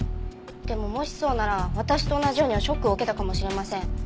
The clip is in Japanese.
でももしそうなら私と同じようにショックを受けたかもしれません。